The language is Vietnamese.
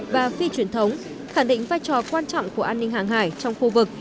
và phi truyền thống khẳng định vai trò quan trọng của an ninh hàng hải trong khu vực